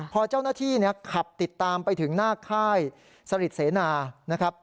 พอเจ้าหน้าที่ขับติดตามไปถึงหน้าค่ายสริทเสนานะครับ